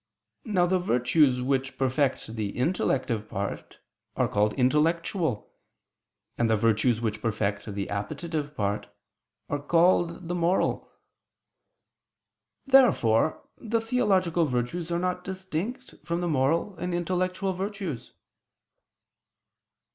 Now the virtues which perfect the intellective part are called intellectual; and the virtues which perfect the appetitive part, are called moral. Therefore, the theological virtues are not distinct from the moral and intellectual virtues.